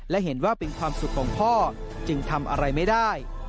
และเห็นว่าเป็นความสุขของพ่อจึงทำอะไรไม่ได้